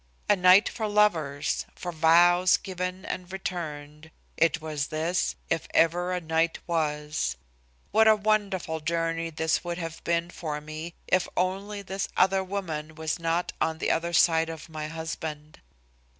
A night for lovers, for vows given and returned, it was this, if ever a night was. What a wonderful journey this would have been for me if only this other woman was not on the other side of my husband!